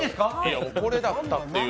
これだったっていう。